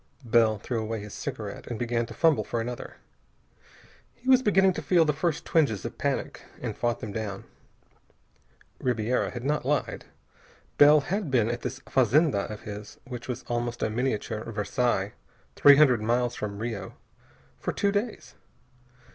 Bell threw away his cigarette and began to fumble for another. He was beginning to feel the first twinges of panic, and fought them down. Ribiera had not lied. Bell had been at this fazenda of his which was almost a miniature Versailles three hundred miles from Rio for two days.